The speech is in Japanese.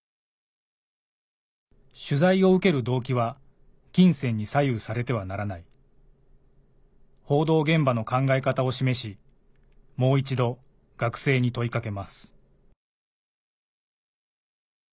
取材を受ける動機は金銭に左右されてはならない報道現場の考え方を示しもう一度学生に問い掛けます